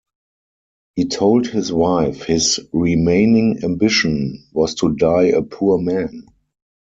He told his wife his remaining ambition was to die a poor man.